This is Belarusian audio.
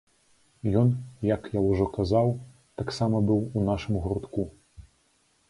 Ён, як я ўжо казаў, таксама быў у нашым гуртку.